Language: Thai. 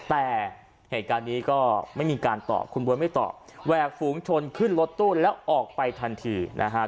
แต่เหตุการณ์นี้ก็ไม่มีการตอบคุณบ๊วยไม่ตอบแหวกฝูงชนขึ้นรถตู้แล้วออกไปทันทีนะฮะ